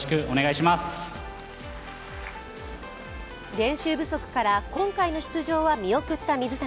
練習不足から今回の出場は見送った水谷。